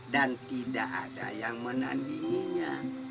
dan tidak ada yang menandinginya